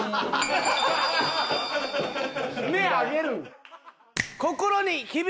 目上げる。